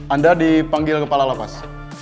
anda dipanggil kepala lapas